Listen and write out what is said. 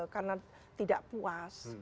karena tidak puas